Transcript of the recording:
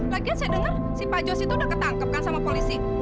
lagian saya dengar si pak jos itu udah ketangkep kan sama polisi